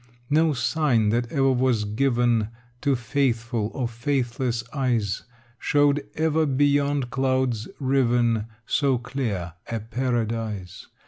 No sign that ever was given To faithful or faithless eyes Showed ever beyond clouds riven So clear a Paradise.